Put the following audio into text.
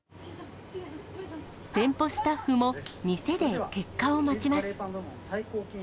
店舗スタッフも、店で結果を待ちます。